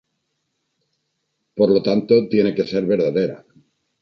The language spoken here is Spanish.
Por lo tanto tiene que ser verdadera.